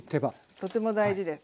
とても大事です。